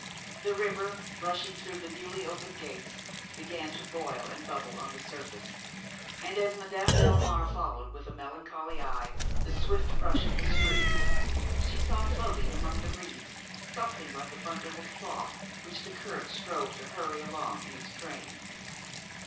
The river, rushing through the newly opened gates, began to boil and bubble on the surface; and, as Madame Delmare followed with a melancholy eye the swift rush of the stream, she saw floating among the reeds something like a bundle of cloth which the current strove to hurry along in its train.